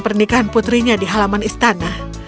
pernikahan putrinya di halaman istana